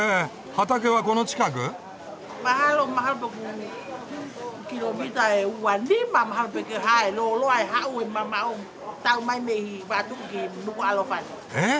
畑はこの近く？え？